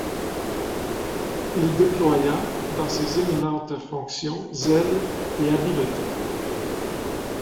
Il déploya dans ces éminentes fonctions zèle et habileté.